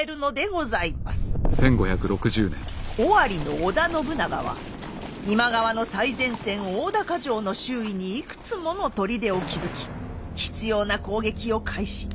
尾張の織田信長は今川の最前線大高城の周囲にいくつもの砦を築き執拗な攻撃を開始。